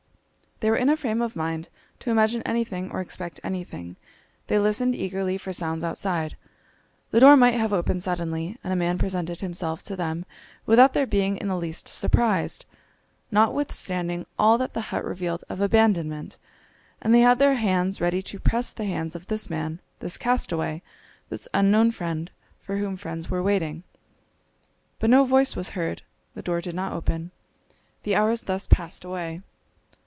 They were in a frame of mind to imagine anything or expect anything. They listened eagerly for sounds outside. The door might have opened suddenly, and a man presented himself to them without their being in the least surprised, notwithstanding all that the hut revealed of abandonment, and they had their hands ready to press the hands of this man, this castaway, this unknown friend, for whom friends were waiting. But no voice was heard, the door did not open. The hours thus passed away.